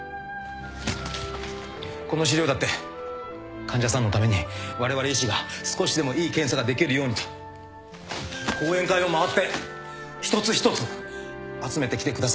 この資料だって患者さんのためにわれわれ医師が少しでもいい検査ができるようにと講演会を回って一つ一つ集めてきてくださいました。